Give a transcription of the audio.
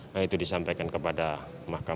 nah itu disampaikan kepada mahkamah